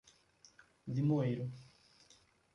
Limoeiro